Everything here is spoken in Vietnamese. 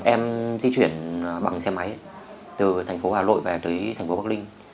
em di chuyển bằng xe máy từ thành phố hà lội về tới thành phố bắc ninh